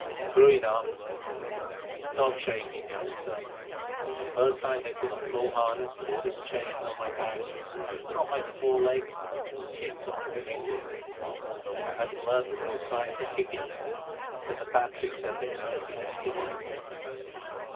"True enough," said Billy. "Stop shaking, youngster. The first time they put the full harness with all its chains on my back I stood on my forelegs and kicked every bit of it off. I hadn't learned the real science of kicking then, but the battery said they had never seen anything like it."